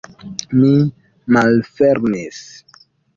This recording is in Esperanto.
Mi malfermis.